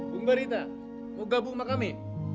bung barita mau gabung sama kami